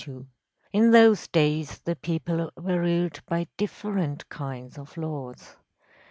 In those days the people were ruled by different kinds of lords.